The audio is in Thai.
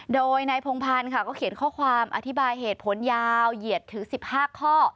โดยนายพงพันธ์ค่ะก็เขียนข้อความอธิบายเหตุผลยาวเหยียดถึง๑๕ข้อ